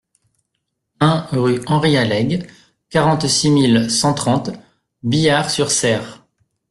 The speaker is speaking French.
un rue Henri Alleg, quarante-six mille cent trente Biars-sur-Cère